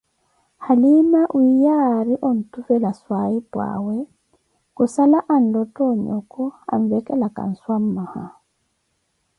halima wiiya âri ontuvela swahiphuʼawe, khussala anlotha onhoko anvekelaka nsuammaya